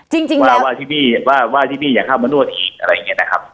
จริงจริงแล้วว่าว่าที่นี่ว่าว่าที่นี่อยากเข้ามานวดอีกอะไรอย่างเงี้ยนะครับ